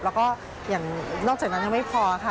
แล้วก็อย่างนอกจากนั้นยังไม่พอค่ะ